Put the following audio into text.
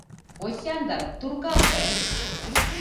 — Осяндр, туркалте.